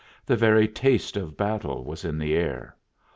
The very taste of battle was in the air.